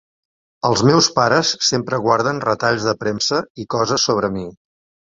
Els meus pares sempre guarden retalls de premsa i coses sobre mi.